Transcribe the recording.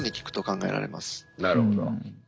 なるほど。